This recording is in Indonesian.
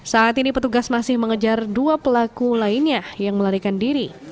saat ini petugas masih mengejar dua pelaku lainnya yang melarikan diri